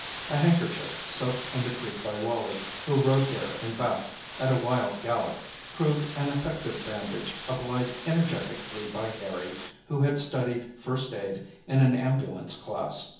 A handkerchief, soaked in the creek by Wally, who rode there and back at a wild gallop, proved an effective bandage applied energetically by Harry, who had studied "first aid" in an ambulance class.